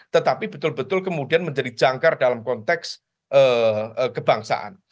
tetapi betul betul kemudian menjadi jangkar dalam konteks kebangsaan